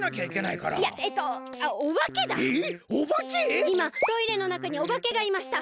いまトイレのなかにおばけがいました。